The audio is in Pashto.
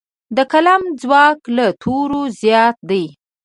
د قلم ځواک له تورو زیات دی.